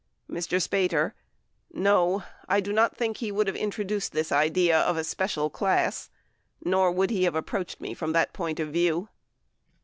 Mr. Spater. No. I do not think he would have introduced this idea of a special class nor would he have approached me from that point of view.